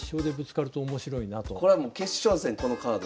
これはもう決勝戦このカード。